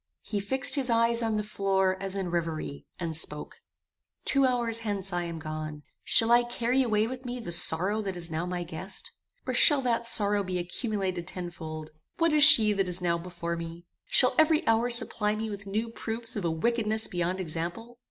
He fixed his eyes on the floor as in reverie, and spoke: "Two hours hence I am gone. Shall I carry away with me the sorrow that is now my guest? or shall that sorrow be accumulated tenfold? What is she that is now before me? Shall every hour supply me with new proofs of a wickedness beyond example?